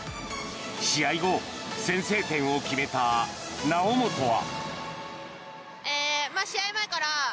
試合後先制点を決めた猶本は。